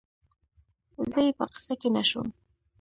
زه یې په قصه کې نه شوم